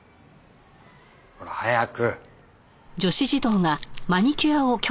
ほら早く。